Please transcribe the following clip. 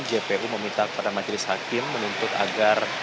jpu meminta kepada majelis hakim menuntut agar